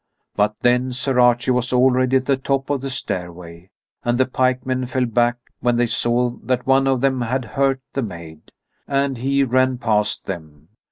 But then Sir Archie was already at the top of the stairway. And the pikemen fell back when they saw that one of them had hurt the maid. And he ran past them.